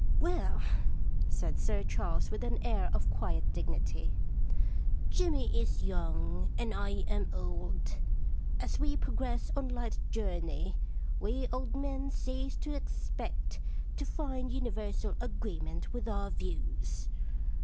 * Well,' said Sir Charles, with an air of quiet .dignity, * Jimmy is young and I am old. As we progress on life's journey, we old men cease to expect to find universal agree ment with our views.